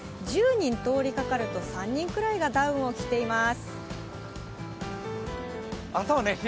１０人通りかかると３人くらいがダウンを着ています。